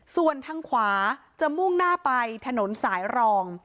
ส่วนทางขวาจะมุ่งหน้าไปถนนสายรอง